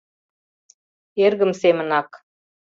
— Эргым семынак.